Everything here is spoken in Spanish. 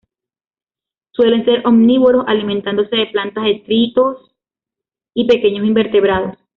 Suelen ser omnívoros, alimentándose de plantas, detritos y pequeños invertebrados.